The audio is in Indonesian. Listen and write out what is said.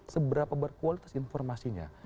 seberapa berkualitas informasinya